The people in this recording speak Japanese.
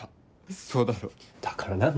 そうだろ？だから何だよ。